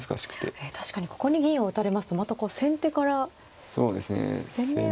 確かにここに銀を打たれますとまた先手から攻めを。